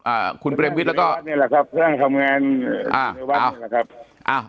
อ่าคุณเปรมวิทย์แล้วก็นี่แหละครับนั่งทำงานอยู่ในวัดนี่แหละครับอ่า